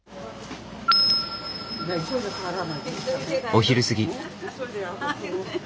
お昼過ぎ。